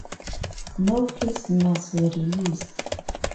No prisoners were released.